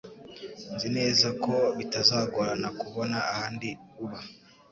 Nzi neza ko bitazagorana kubona ahandi uba